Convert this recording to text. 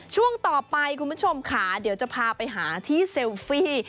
ช่วงต่อไปคุณผู้ชมค่ะเดี๋ยวจะพาไปหาที่เซลฟี่